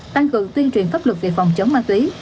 tăng cường tuyên truyền pháp luật về phòng chống ma túy